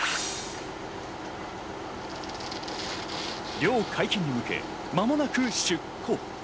漁、解禁に向け、間もなく出港。